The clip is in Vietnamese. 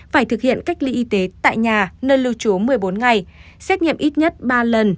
phải thực hiện cách ly y tế tại nhà nơi lưu trú một mươi bốn ngày xét nghiệm ít nhất ba lần